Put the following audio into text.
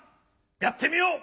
やってみよう！